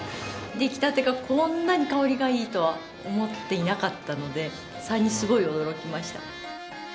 出来たてがこんなに香りがいいとは思っていなかったので最初すごい驚きました。